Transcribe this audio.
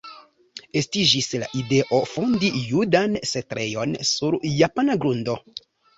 Estiĝis la ideo fondi judan setlejon sur japana grundo.